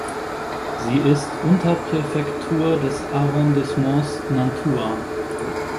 Sie ist Unterpräfektur des Arrondissements Nantua.